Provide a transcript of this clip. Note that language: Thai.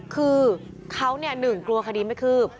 คือเขาเนี่ยหนึ่งกลัวคดีไม่คือ